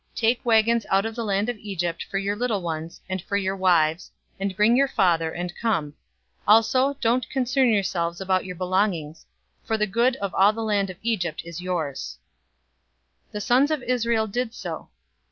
Take wagons out of the land of Egypt for your little ones, and for your wives, and bring your father, and come. 045:020 Also, don't concern yourselves about your belongings, for the good of all of the land of Egypt is yours." 045:021 The sons of Israel did so.